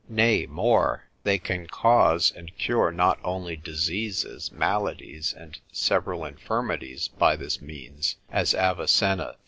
Nay more, they can cause and cure not only diseases, maladies, and several infirmities, by this means, as Avicenna, de anim.